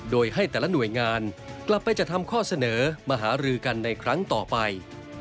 โดยให้แต่ละหน่วยงานกลับไปจะทำข้อเสนอมหารือกันในครั้งต่อไป